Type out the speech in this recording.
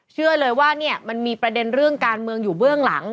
เชื่อเลยว่าเนี่ยมันมีประเด็นเรื่องการเมืองอยู่เบื้องหลัง